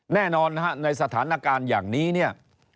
แน่นอนในสถานการณ์อย่างนี้